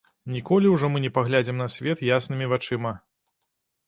Ніколі ўжо мы не паглядзім на свет яснымі вачыма.